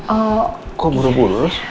oh kok buru buru